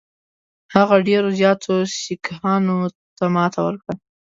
هغه ډېرو زیاتو سیکهانو ته ماته ورکړه.